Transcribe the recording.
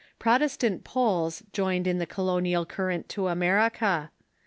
Prot estant Poles joined in the colonial current to America.